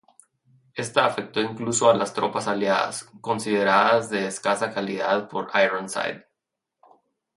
Esta afectó incluso a las tropas Aliadas, consideradas de escasa calidad por Ironside.